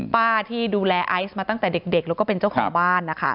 ป้าที่ดูแลไอซ์มาตั้งแต่เด็กแล้วก็เป็นเจ้าของบ้านนะคะ